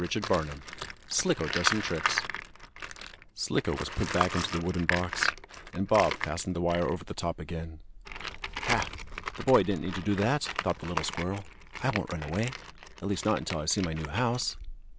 CHAPTER IX SLICKO DOES SOME TRICKS Slicko was put back into the wooden box, and Bob fastened the wire over the top again. "Ha! The boy didn't need to do that!" thought the little squirrel. "I won't run away at least not until I see my new house."